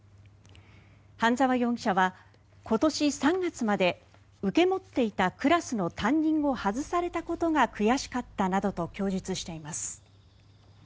半澤容疑者は今年３月まで受け持っていたクラスの担任を外されたことが悔しかったなどと供述しています。